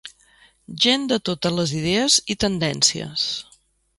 Gent de totes les idees i tendències.